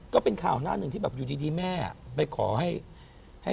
ก็เป็นข่าวหน้าหนึ่งที่แบบอยู่ดีแม่ไปขอให้